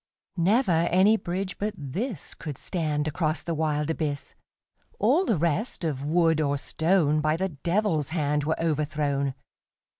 Never any bridge but thisCould stand across the wild abyss; All the rest, of wood or stone, By the Devil's hand were overthrown.